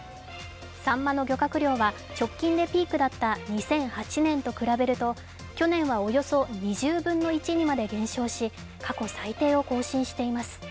さんまの漁獲量は直近でピークだった２００８年と比べると去年はおよそ２０分の１にまで減少し過去最低を更新しています。